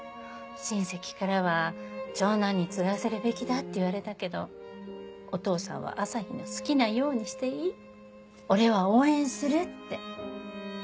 親戚からは長男に継がせるべきだって言われたけどお父さんは「朝陽の好きなようにしていい俺は応援する」って。